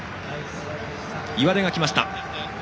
岩出が来ました。